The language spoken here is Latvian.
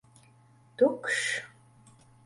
Tukšs!